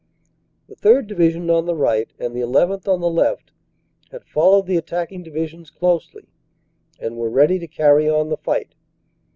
The 3rd. Division on the right and the llth. on the left had followed the attacking divisions closely and were ready to carry on the fight.